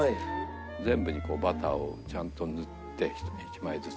全部にこうバターをちゃんと塗って１枚ずつ。